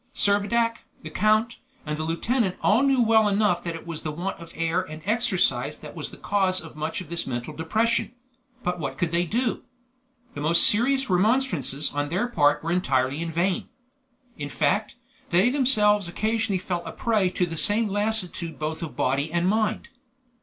Servadac, the count, and the lieutenant all knew well enough that it was the want of air and exercise that was the cause of much of this mental depression; but what could they do? The most serious remonstrances on their part were entirely in vain. In fact, they themselves occasionally fell a prey to the same lassitude both of body and mind.